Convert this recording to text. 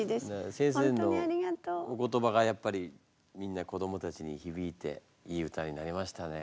先生のお言葉がやっぱりみんな子どもたちにひびいていい歌になりましたね。